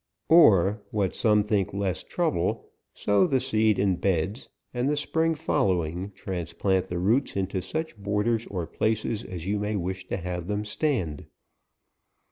Or, what some think less trouble, sow the seed in beds, and the spring following, transplant the roots into APRtt,. $3 such borders or places as you may wish to have them stand.